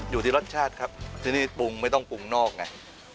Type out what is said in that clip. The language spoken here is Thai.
อยู่ที่รสชาติครับที่นี่ปรุงไม่ต้องปรุงนอกไง